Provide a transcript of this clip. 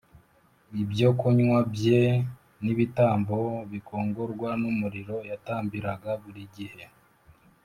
Ibyokunywa g bye n ibitambo bikongorwa n umuriro yatambiraga buri gihe